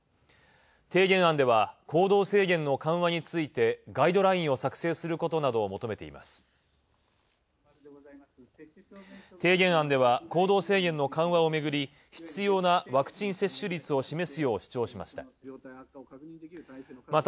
提言案では行動を制限の緩和についてガイドラインを作成することなどを求めています提言案では行動制限の緩和をめぐり必要なワクチン接種率を示すよう主張しました。